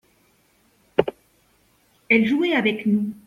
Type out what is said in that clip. Elle jouait avec nous.